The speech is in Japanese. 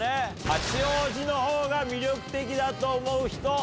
八王子のほうが魅力的だと思う人。